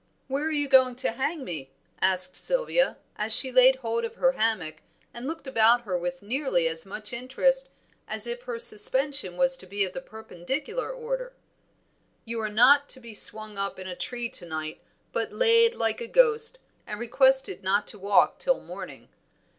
"Where are you going to hang me?" asked Sylvia, as she laid hold of her hammock and looked about her with nearly as much interest as if her suspension was to be of the perpendicular order. "You are not to be swung up in a tree to night but laid like a ghost, and requested not to walk till morning.